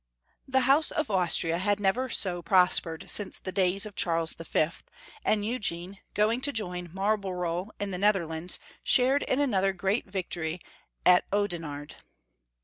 The House of Austria had never so prospered since the days of Charles V., and Eugene, going to join Marlborough in the Netherlands, shared in another great victory at Oudenarde.